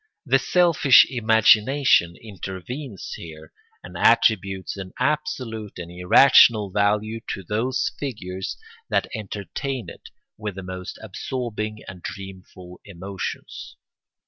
The selfish imagination intervenes here and attributes an absolute and irrational value to those figures that entertain it with the most absorbing and dreamful emotions.